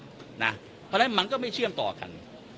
เพราะฉะนั้นมันก็ไม่เชื่อมต่อกัน